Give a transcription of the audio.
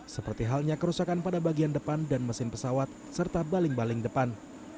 seperti halnya kerusakan pada bagian depan dan mesin pesawat serta baling baling depan